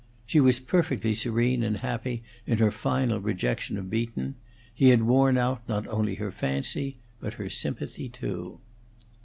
She was perfectly serene and happy in her final rejection of Beaton; he had worn out not only her fancy, but her sympathy, too.